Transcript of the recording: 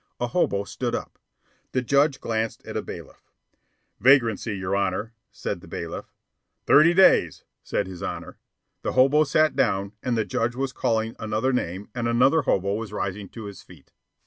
A hobo stood up. The judge glanced at a bailiff. "Vagrancy, your Honor," said the bailiff. "Thirty days," said his Honor. The hobo sat down, and the judge was calling another name and another hobo was rising to his feet.